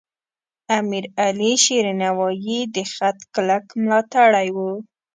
امیر علیشیر نوایی د خط کلک ملاتړی و.